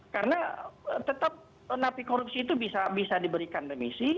karena tetap napi korupsi itu bisa diberikan remisi